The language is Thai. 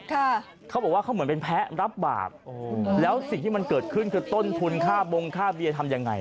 เขาบอกว่าเขาเหมือนเป็นแพ้รับบาปโอ้แล้วสิ่งที่มันเกิดขึ้นคือต้นทุนค่าบงค่าเบียร์ทำยังไง